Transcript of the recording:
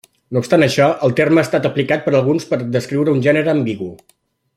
No obstant això, el terme ha estat aplicat per alguns per descriure un gènere ambigu.